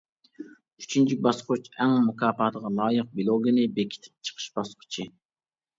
ئۈچىنچى باسقۇچ: «ئەڭ» مۇكاپاتىغا لايىق بىلوگنى بېكىتىپ چىقىش باسقۇچى.